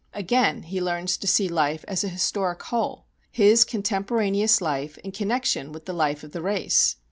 Again, he learns to see life as a historic whole his contemporaneous life in connection with the life of the race.